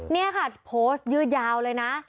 นี่ค่ะโพสต์ยืดยาวเลยนะ